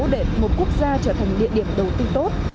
để một quốc gia trở thành địa điểm đầu tư tốt